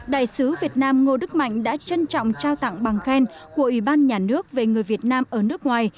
đại sứ việt nam ngô đức mạnh đã trân trọng trao tặng bằng khen của ủy ban nhà nước về người việt nam ở nước ngoài